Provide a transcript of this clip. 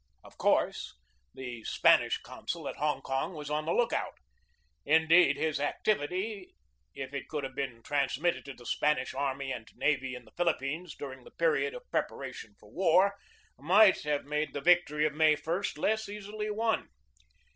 Of course the Spanish consul at Hong Kong was on the lookout. Indeed, his activity, if it could have been transmitted to the Spanish army and navy in the Philippines during the period of preparation for war, might have made the victory of May i less easily won.